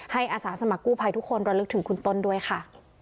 อาสาสมัครกู้ภัยทุกคนระลึกถึงคุณต้นด้วยค่ะ